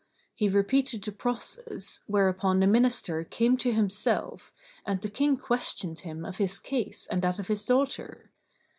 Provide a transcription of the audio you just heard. He repeated the process, whereupon the Minister came to himself and the King questioned him of his case and that of his daughter.